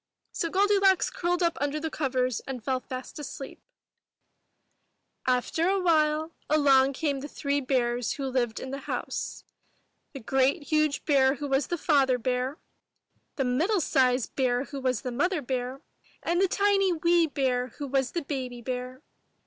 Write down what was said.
So Goldilocks curled up under the covers and fell fast asleep; After a while, along came the three bears who lived in the house, — the great huge bear who was the Father Bear, the middle sized bear who was the Mother Bear, and the tiny^ wee bear who was the Baby Bear.